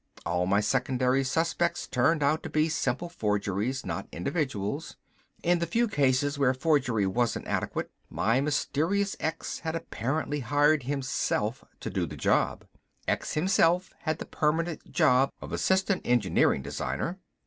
All my secondary suspects turned out to be simple forgeries, not individuals. In the few cases where forgery wasn't adequate, my mysterious X had apparently hired himself to do the job. X himself had the permanent job of Assistant Engineering Designer.